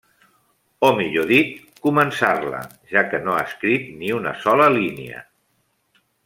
O millor dit, començar-la, ja que no ha escrit ni una sola línia.